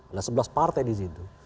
ada sebelas partai di situ